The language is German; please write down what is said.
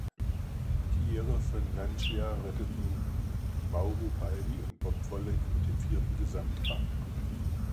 Die Ehre von Lancia retteten Mauro Baldi und Bob Wollek mit dem vierten Gesamtrang.